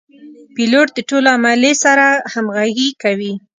پیلوټ د ټول عملې سره همغږي کوي.